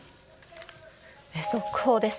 速報です。